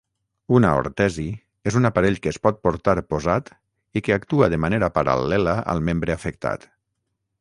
Una ortesi és un aparell que es pot portar posat i que actua de manera paral·lela al membre afectat.